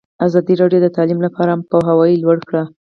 ازادي راډیو د تعلیم لپاره عامه پوهاوي لوړ کړی.